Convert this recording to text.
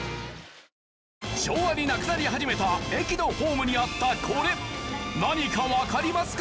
昭和になくなり始めた駅のホームにあったこれ何かわかりますか？